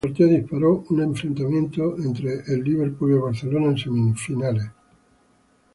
El sorteo deparó un enfrentamiento entre el Liverpool y el Barcelona en semifinales.